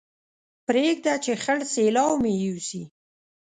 پرېږده چې خړ سېلاو مې يوسي